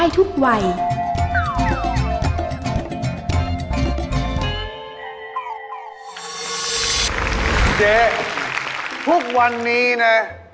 ทุกวันนี้นะ